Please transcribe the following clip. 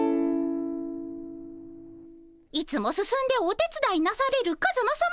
いつも進んでおてつだいなされるカズマさま